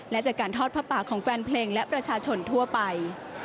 และจากการทอดผ้าปากของแฟนเพลงและประชาชนทั่วไป